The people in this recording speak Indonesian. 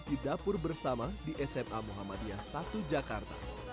di dapur bersama di sma muhammadiyah satu jakarta